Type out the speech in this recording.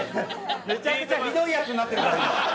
めちゃくちゃひどいヤツになってるから今。